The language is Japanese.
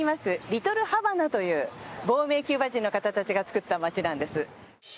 リトルハバナという亡命キューバ人の方たちが作った街なんです。